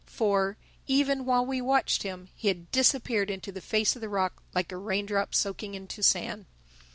For, even while we watched him, he had disappeared into the face of the rock like a raindrop soaking into sand.